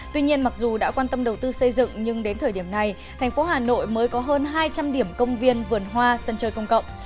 tuy nhiên mặc dù đã quan tâm đầu tư xây dựng nhưng đến thời điểm này thành phố hà nội mới có hơn hai trăm linh điểm công viên vườn hoa sân chơi công cộng